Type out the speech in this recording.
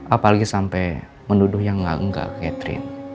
apalagi sampai menduduh yang enggak enggak ke catherine